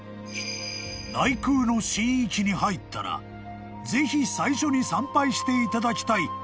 ［内宮の神域に入ったらぜひ最初に参拝していただきたい神様がこちら］